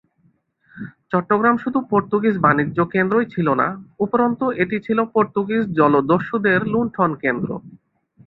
চট্টগ্রাম শুধু পর্তুগিজ বাণিজ্য কেন্দ্রই ছিল না, উপরন্তু এটি ছিল পর্তুগিজ জলদস্যুদের লুণ্ঠনকেন্দ্র।